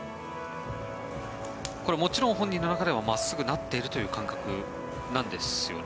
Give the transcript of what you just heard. これもちろん本人の中では真っすぐになっているという感覚なんですよね。